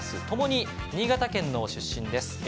ともに新潟県の出身です。